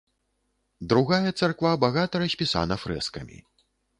Другая царква багата распісана фрэскамі.